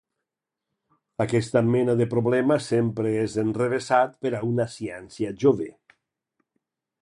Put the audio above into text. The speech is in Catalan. Aquesta mena de problema sempre és enrevessat per a una ciència jove.